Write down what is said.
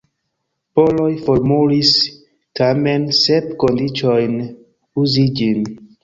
Poloj formulis tamen sep kondiĉojn uzi ĝin.